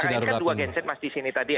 sebenarnya ini kan dua genset mas di sini tadi